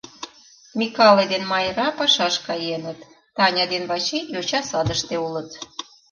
Микале ден Майра пашаш каеныт, Таня ден Вачий йоча садыште улыт.